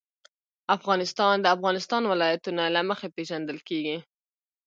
افغانستان د د افغانستان ولايتونه له مخې پېژندل کېږي.